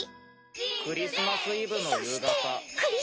クリスマスイブの夕方。